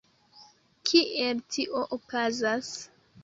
Kiel tio okazas?